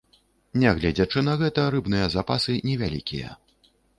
Нягледзячы на гэта, рыбныя запасы невялікія.